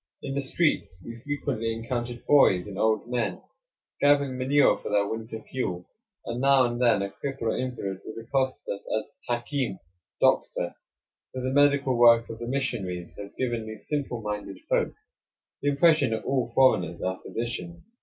In the streets we frequently encountered boys and old men gathering manure for their winter fuel; and now and then a cripple or invalid would accost us as "Hakim" ("Doctor"), for the medical work of the missionaries has given these simple minded folk the impression that all foreigners are physicians.